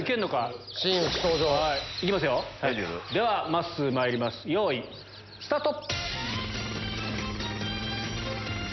まっすーまいりますよいスタート！